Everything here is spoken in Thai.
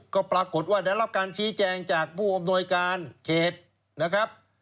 ก็ปรากฏว่าได้รับการชี้แจงจากผู้อำนวยการเขตนะครับ